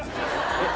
えっ？